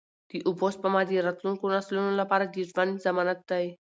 د اوبو سپما د راتلونکو نسلونو لپاره د ژوند ضمانت دی.